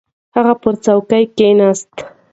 هغه پر څوکۍ کښېناست.